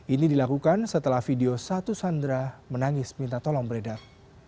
ini dilakukan setelah video satu sandera menangis minta tolong beredar